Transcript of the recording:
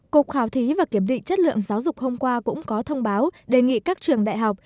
cục khảo thí và kiểm định chất lượng giáo dục hôm qua cũng có thông báo đề nghị các trường đại học